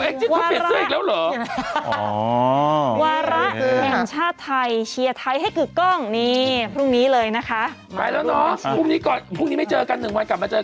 อ้อเองจี่เขาเปลี่ยนเสื้ออีกแล้วเหรอ